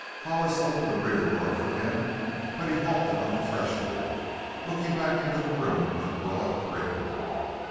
Hollis opened the rear door for him, but he halted on the threshold, looking back into the room with a broad grin.